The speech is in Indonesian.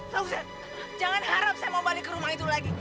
taufik jangan harap saya mau balik ke rumah itu lagi